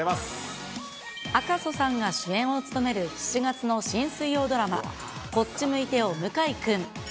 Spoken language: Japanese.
―赤楚さんが主演を務める７月の新水曜ドラマ、こっち向いてよ向井くん。